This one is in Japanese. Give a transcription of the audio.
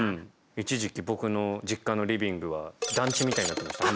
一時期僕の実家のリビングは団地みたいになってました。